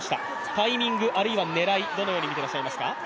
タイミング、あるいは狙い、どのように見ていらっしゃいますか？